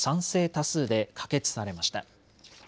多数で可決されました。